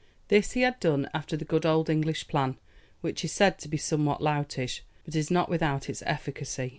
This he had done after the good old English plan, which is said to be somewhat loutish, but is not without its efficacy.